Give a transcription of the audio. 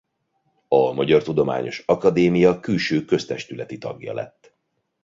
A Magyar Tudományos Akadémia külső köztestületi tagja lett.